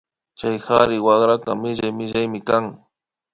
Chay kari wakraka millay millaymi kan